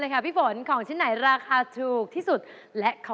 อะไรครับ